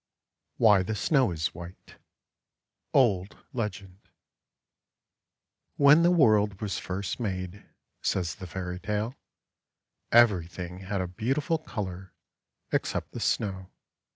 WHY THE SNOW IS WHITE Old Legend WHEN the world was first made, says the Fairy Tale, everything had a beautiful colour except the Snow.